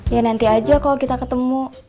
ya nanti aja kalau kita ketemu